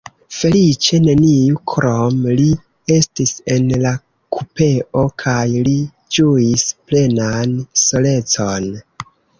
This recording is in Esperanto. Feliĉe neniu krom li estis en la kupeo, kaj li ĝuis plenan solecon.